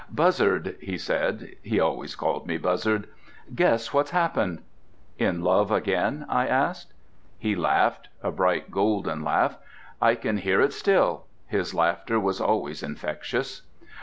"Buzzard," he said—he always called me Buzzard—"guess what's happened?" "In love again?" I asked. He laughed. A bright, golden laugh—I can hear it still. His laughter was always infectious.